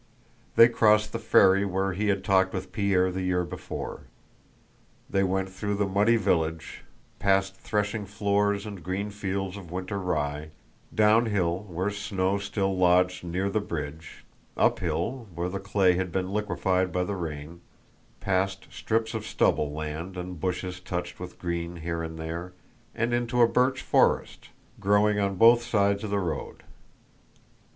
They crossed the ferry where he had talked with Pierre the year before. They went through the muddy village, past threshing floors and green fields of winter rye, downhill where snow still lodged near the bridge, uphill where the clay had been liquefied by the rain, past strips of stubble land and bushes touched with green here and there, and into a birch forest growing on both sides of the road.